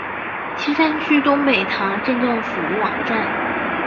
锡山区东北塘镇政府网站